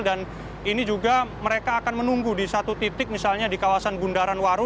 dan ini juga mereka akan menunggu di satu titik misalnya di kawasan gundaran waru